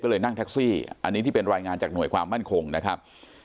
ก็เลยนั่งแท็กซี่อันนี้ที่เป็นรายงานจากหน่วยความมั่นคงนะครับ